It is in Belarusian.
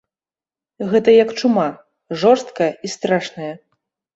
Гэта як чума, жорсткая і страшная.